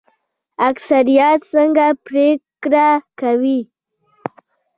اکثریت څنګه پریکړه کوي؟